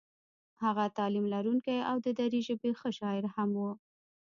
هغه تعلیم لرونکی او د دري ژبې ښه شاعر هم و.